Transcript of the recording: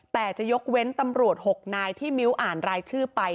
แต่จะยกเว้นตำรวจ๖นายที่มิ้วอ่านรายชื่อไป